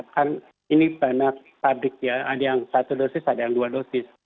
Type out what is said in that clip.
karena ini banyak pabrik ya ada yang satu dosis ada yang dua dosis